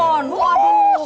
waduh keren banget